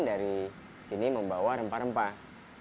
dari sini membawa rempah rempah